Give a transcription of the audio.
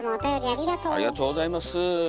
ありがとうございます。